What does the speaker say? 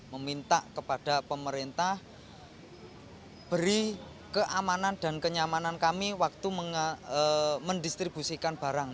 meminta kepada pemerintah beri keamanan dan kenyamanan kami waktu mendistribusikan barang